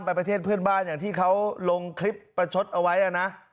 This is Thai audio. ประเทศเพื่อนบ้านอย่างที่เขาลงคลิปประชดเอาไว้นะ